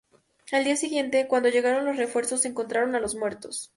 Al día siguiente, cuando llegaron los refuerzos, encontraron a los muertos.